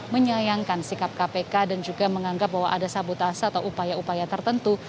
menyayangkan sikap kpk dan juga menganggap bahwa ada sabotase atau upaya upaya tertentu